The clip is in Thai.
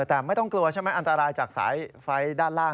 แต่ไม่ต้องกลัวใช่ไหมอันตรายจากสายไฟด้านล่าง